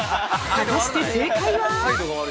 ◆果たして正解は。